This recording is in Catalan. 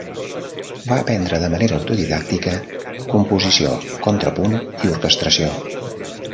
Va aprendre de manera autodidàctica composició, contrapunt i orquestració.